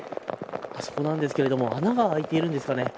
あそこなんですけど穴が開いているんですかね。